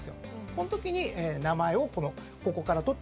そのときに名前をここから取って。